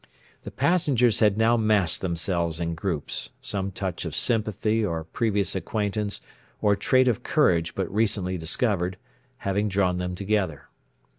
The passengers had now massed themselves in groups, some touch of sympathy, or previous acquaintance, or trait of courage but recently discovered, having drawn them together.